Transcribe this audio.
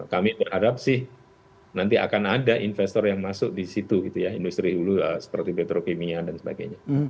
kami berharap sih nanti akan ada investor yang masuk di situ gitu ya industri hulu seperti petrokimia dan sebagainya